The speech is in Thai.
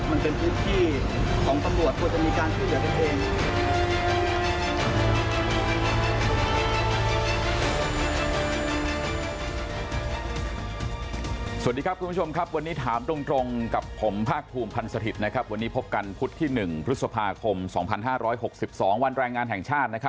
มันเป็นพฤติของกำลัวตัวจะมีการที่เกิดกันเอง